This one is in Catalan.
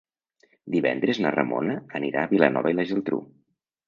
Divendres na Ramona anirà a Vilanova i la Geltrú.